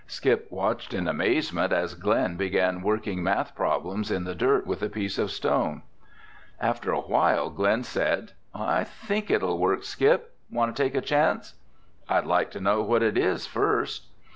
Skip watched in amazement as Glen began working math problems in the dirt with a piece of stone. After a while, Glen said, "I think it'll work, Skip. Want to take a chance?" "I'd like to know what it is first."